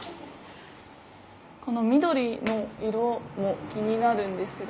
この緑の色も気になるんですが。